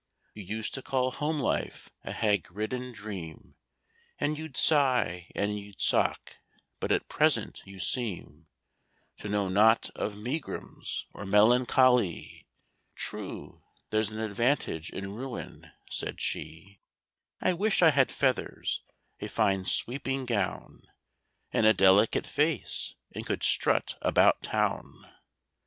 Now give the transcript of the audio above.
—"You used to call home life a hag ridden dream, And you'd sigh, and you'd sock; but at present you seem To know not of megrims or melancho ly!"— "True. There's an advantage in ruin," said she. —"I wish I had feathers, a fine sweeping gown, And a delicate face, and could strut about Town!"